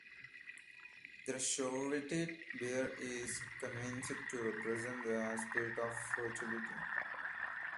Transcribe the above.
The Shrovetide Bear is conceived to represent the spirit of fertility.